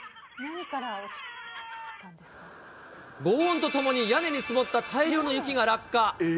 ごう音とともに、屋根に積もった大量の雪が落下。